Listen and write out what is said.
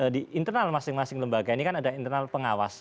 di internal masing masing lembaga ini kan ada internal pengawas